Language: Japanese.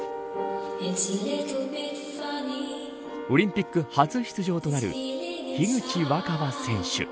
オリンピック初出場となる樋口新葉選手。